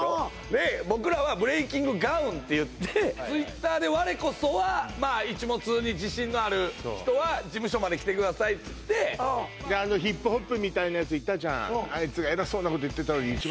で僕らはブレイキングガウンっていってＴｗｉｔｔｅｒで我こそはまあイチモツに自信のある人は事務所まで来てくださいって言ってであのヒップホップみたいなやついたじゃん？